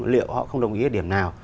liệu họ không đồng ý ở điểm nào